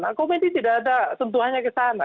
nah komedi tidak ada tentu hanya ke sana